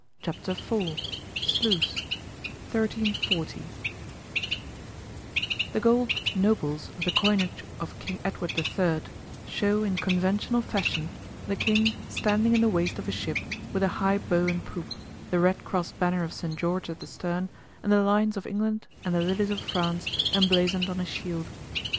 CHAPTER IV SLUYS 1340 The gold "nobles" of the coinage of King Edward III show in conventional fashion the King standing in the waist of a ship with a high bow and poop, the red cross banner of St. George at the stern and the lions of England and the lilies of France emblazoned on his shield.